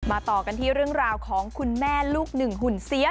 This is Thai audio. ต่อกันที่เรื่องราวของคุณแม่ลูกหนึ่งหุ่นเสีย